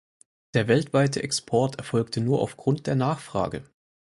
Der weltweite Export erfolgte nur aufgrund der Nachfrage.